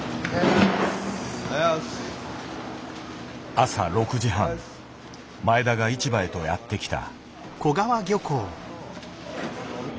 朝６時半前田が市場へとやって来た。